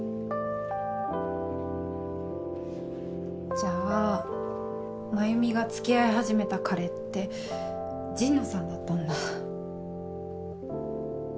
じゃあ繭美が付き合い始めた彼って神野さんだったんだ。